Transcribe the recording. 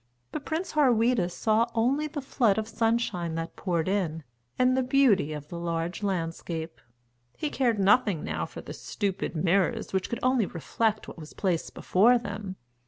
But Prince Harweda saw only the flood of sunshine that poured in, and the beauty of the large landscape. He cared nothing now for the stupid mirrors which could only reflect what was placed before them.